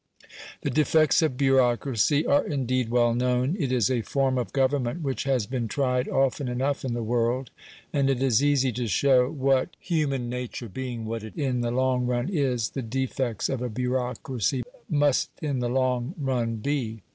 The defects of bureaucracy are, indeed, well known. It is a form of Government which has been tried often enough in the world, and it is easy to show what, human nature being what it in the long run is, the defects of a bureaucracy must in the long run be.